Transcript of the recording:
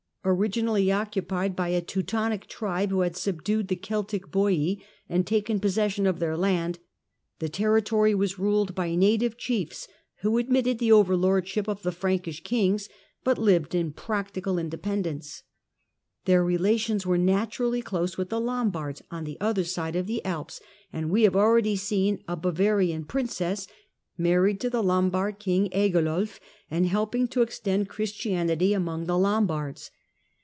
Originally occupied ^"varia >y a Teutonic tribe, who had subdued the Celtic Boh md taken possession of their land, the territory was Tiled by native chiefs who admitted the overlordship >f the Frankish kings, but lived in practical independ ence. Their relations were naturally close with the "jombards on the other side of the Alps, and we have Iready seen a Bavarian princess married to the Lombard £ing Agilulf and helping to extend Christianity among 108 THE DAWN OF MEDIAEVAL EUROPE the Lombards.